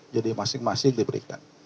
jadi masing masing diberikan